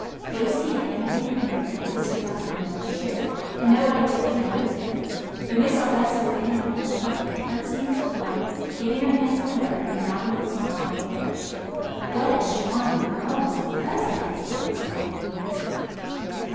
Lucy and Emily and Henry went and stood behind their mother's chair, and nobody took any notice of them; but Miss Augusta went in among the company, curtseying to one, giving her hand to another, and nodding and smiling at another. "What a charming girl Miss Augusta has grown!" said one of the ladies.